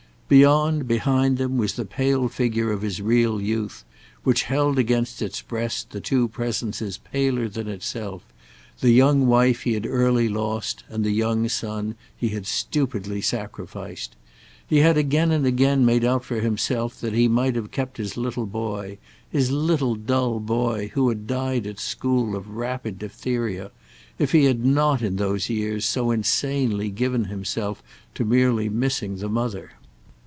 Beyond, behind them was the pale figure of his real youth, which held against its breast the two presences paler than itself—the young wife he had early lost and the young son he had stupidly sacrificed. He had again and again made out for himself that he might have kept his little boy, his little dull boy who had died at school of rapid diphtheria, if he had not in those years so insanely given himself to merely missing the mother.